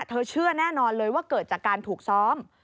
เชื่อแน่นอนเลยว่าเกิดจากการถูกซ้อม